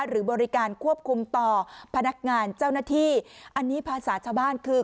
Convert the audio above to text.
หรือบริการควบคุมต่อพนักงานเจ้าหน้าที่อันนี้ภาษาชาวบ้านคือ